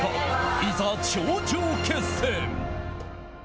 いざ頂上決戦。